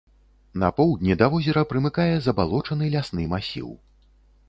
На поўдні да возера прымыкае забалочаны лясны масіў.